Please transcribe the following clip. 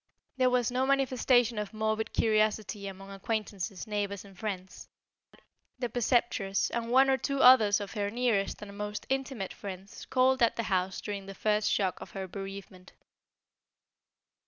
There was no manifestation of morbid curiosity among acquaintances, neighbors and friends. The Preceptress and one or two others of her nearest and most intimate friends called at the house during the first shock of her bereavement.